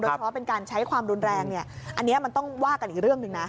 เฉพาะเป็นการใช้ความรุนแรงเนี่ยอันนี้มันต้องว่ากันอีกเรื่องหนึ่งนะ